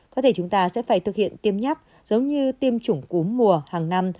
có thể chúng ta sẽ phải thực hiện tiêm nhắc giống như tiêm chủng cúm mùa hàng năm